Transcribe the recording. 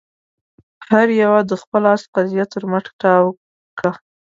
هر يوه د خپل آس قيضه تر مټ تاو کړه.